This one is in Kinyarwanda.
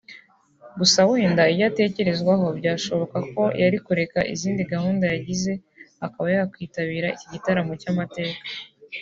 gusa wenda iyo atekerezwaho byashoboka ko yari kureka izindi gahunda yagize akaba yakwitabira iki gitaramo cy'amateka